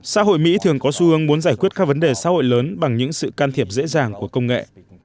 xã hội mỹ thường có xu hướng muốn giải quyết các vấn đề xã hội lớn bằng những sự can thiệp dễ dàng của công nghệ